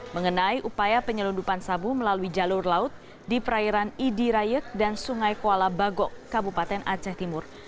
mengenai upaya penyelundupan sabu melalui jalur laut di perairan idi rayet dan sungai kuala bagok kabupaten aceh timur